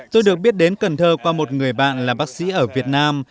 tôi được biết đến cần thơ qua một người bạn là bác sĩ ở việt nam